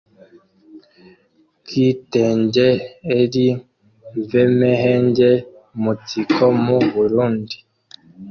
ubwitenge eri mvemehenge umunsiko mu Burunndi